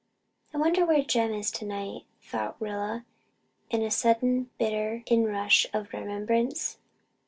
"I wonder where Jem is tonight," thought Rilla, in a sudden bitter inrush of remembrance.